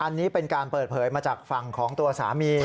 อันนี้เป็นการเปิดเผยมาจากฝั่งของตัวสามี